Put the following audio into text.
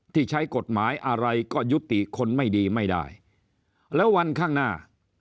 ที่ใช้กฎหมายอะไรก็ยุติคนไม่ดีไม่ได้แล้ววันข้างหน้า